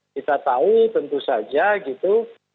kita tahu tentu saja gitu